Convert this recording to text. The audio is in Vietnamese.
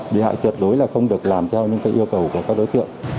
bị hại tuyệt đối là không được làm theo những yêu cầu của các đối tượng